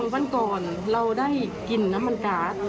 วันก่อนเราได้กินน้ำมันการ์ด